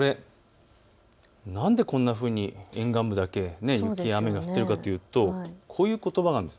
なんでこんなふうに沿岸部だけ雪や雨が降っているかというとこういうことばがあるんです。